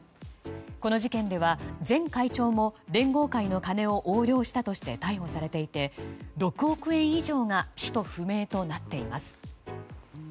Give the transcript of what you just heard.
この事件では前会長も連合会の金を横領したとして逮捕されていて、６億円以上が使途不明となっています。